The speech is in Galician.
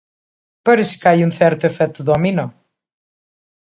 Parece que hai un certo efecto dominó.